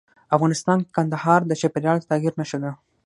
افغانستان کې کندهار د چاپېریال د تغیر نښه ده.